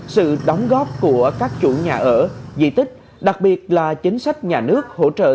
sự đóng góp của các chủ nhà ở di tích đặc biệt là chính sách nhà nước hỗ trợ